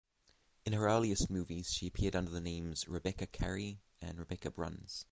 In her earliest movies, she appeared under the names "Rebecca Carre" and "Rebecca Bruns".